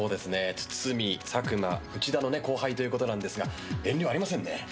堤、佐久間は内田の後輩ということなんですが遠慮がありませんね。